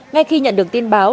ngay khi nhận được tin báo